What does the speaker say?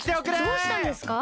どうしたんですか？